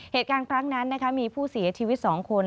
เหตุการณ์ครั้งนั้นมีผู้เสียชีวิต๒คน